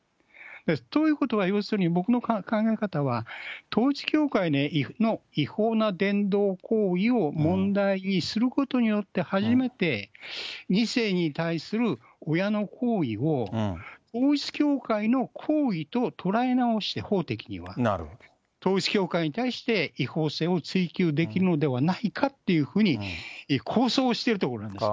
ということは、要するに僕の考え方は、統一教会の違法な伝道行為を問題にすることによって、初めて２世に対する親の行為を、統一教会の行為と捉え直して、法的には、統一教会に対して違法性を追及できるのではないかっていうふうに、構想してるところなんです。